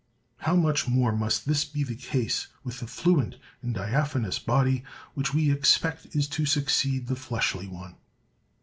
How much more must this be the case with the fluent and diaphanous body which we expect is to succeed the fleshly one!